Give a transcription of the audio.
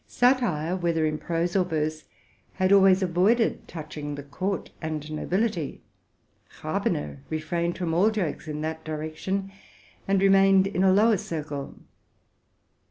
Satire, whether in prose or verse. had always avoided touching the court and nobility. Rabe ner refrained from all jokes in that direction, and remained in a lower circle.